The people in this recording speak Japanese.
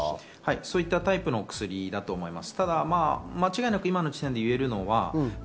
そういったタイプの薬だと思います。